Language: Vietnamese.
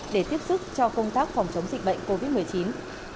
để tiếp sức cho công tác phòng chống dịch bệnh covid một mươi chín